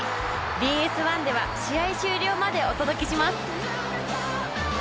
ＢＳ１では試合終了までお届けします